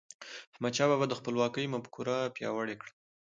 احمدشاه بابا د خپلواکی مفکوره پیاوړې کړه.